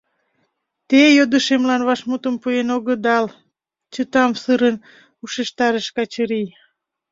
— Те йодышемлан вашмутым пуэн огыдал, — чытамсырын ушештарыш Качырий.